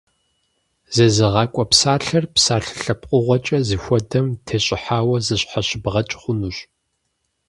Зезыгъакӏуэ псалъэр псалъэ лъэпкъыгъуэкӏэ зыхуэдэм тещӏыхьауэ зыщхьэщыбгъэкӏ хъунущ.